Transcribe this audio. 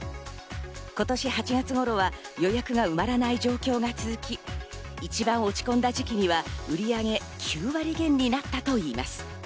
今年８月頃は予約が埋まらない状況が続き、一番落ち込んだ時期には売り上げ９割減になったといいます。